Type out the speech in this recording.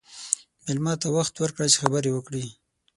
مېلمه ته وخت ورکړه چې خبرې وکړي.